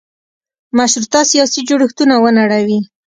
مشروطه سیاسي جوړښتونه ونړوي.